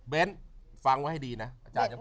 เบสฟังไว้ให้ดีนะ